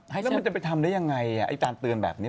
แล้วมันจะไปทำได้ยังไงอาจารย์เตือนแบบนี้